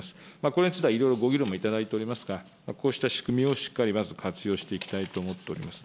これについては、いろいろご議論もいただいておりますが、こうした仕組みをしっかりまず、活用していきたいと思っております。